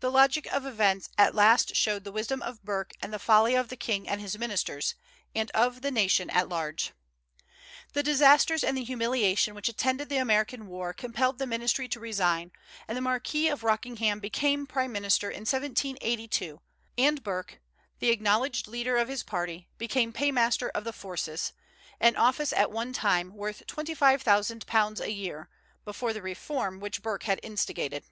The logic of events at last showed the wisdom of Burke and the folly of the king and his ministers, and of the nation at large. The disasters and the humiliation which attended the American war compelled the ministry to resign, and the Marquis of Rockingham became prime minister in 1782, and Burke, the acknowledged leader of his party, became paymaster of the forces, an office at one time worth £25,000 a year, before the reform which Burke had instigated.